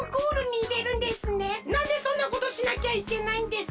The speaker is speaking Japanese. なんでそんなことしなきゃいけないんですか？